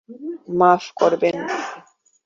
মাফ করবেন।